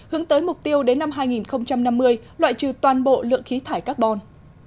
hướng tới mục tiêu đến năm hai nghìn năm mươi loại trừ toàn bộ lượng khí thải carbon